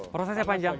prosesnya panjang loh